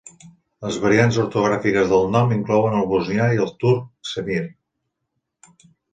Les variants ortogràfiques del nom inclouen el bosnià i el turc Semir.